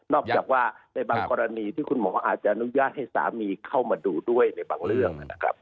จากว่าในบางกรณีที่คุณหมออาจจะอนุญาตให้สามีเข้ามาดูด้วยในบางเรื่องนะครับ